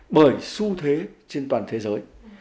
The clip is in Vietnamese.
bởi xu thế trên toàn thế giới